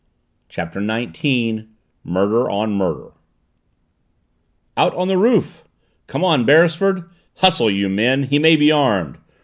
CHAPTER NINETEEN MURDER ON MURDER "Out on the roof!" "Come on, Beresford!" "Hustle you men! He may be armed!"